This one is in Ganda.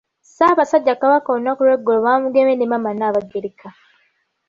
Ssaabasajja Kabaka olunaku lw'eggulo baamugemye ne maama Nnaabagereka.